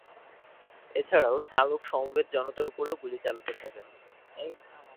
এছাড়া চালক সমবেত জনতার উপরেও গুলি চালাতে থাকেন।